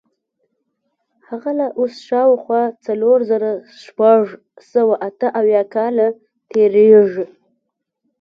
هغه له اوسه شاوخوا څلور زره شپږ سوه اته اویا کاله تېرېږي.